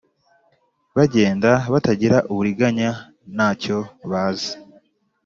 bagenda batagira uburiganya, nta cyo bazi.